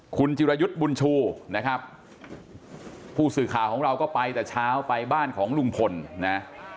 คุณจิรยุทธ์บุญชูนะครับผู้สื่อข่าวของเราก็ไปแต่เช้าไปบ้านของลุงพลนะ